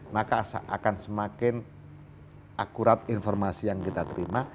maka akan semakin akurat informasi yang kita terima